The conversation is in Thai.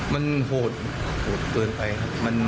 มันโหดเกินไปครับมันผิด